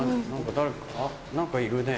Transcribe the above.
誰か何かいるね。